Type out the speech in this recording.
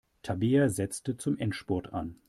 Tabea setzte zum Endspurt an.